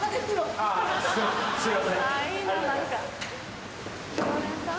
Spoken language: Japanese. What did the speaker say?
あすいません